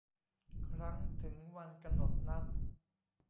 ครั้งถึงวันกำหนดนัด